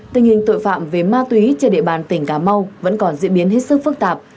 tình hình tội phạm về ma túy trên địa bàn tỉnh cà mau vẫn còn diễn biến hết sức phức tạp